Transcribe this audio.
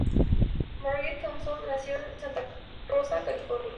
Marguerite Thompson nació en Santa Rosa, California.